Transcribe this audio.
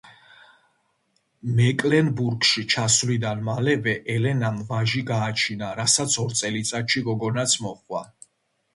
მეკლენბურგში ჩასვლიდან მალევე, ელენამ ვაჟი გააჩინა, რასაც ორ წელიწადში გოგონაც მოჰყვა.